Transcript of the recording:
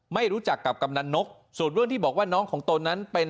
ไม่รู้จักกับกำนันนกส่วนเรื่องที่บอกว่าน้องของตนนั้นเป็น